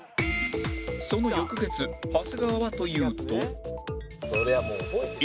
その翌月長谷川はというと